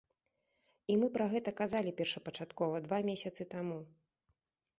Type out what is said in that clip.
І мы пра гэта казалі першапачаткова два месяцы таму.